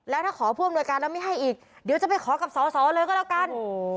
แล้วถ้าขอผู้อำนวยการแล้วไม่ให้อีกเดี๋ยวจะไปขอกับสอสอเลยก็แล้วกัน